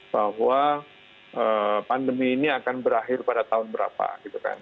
bahwa pandemi ini akan berakhir pada tahun berapa gitu kan